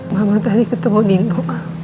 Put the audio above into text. mama tadi ketemu nino